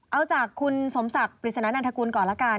เอาจากคุณสมศักดิ์ปริศนานันทกุลก่อนละกัน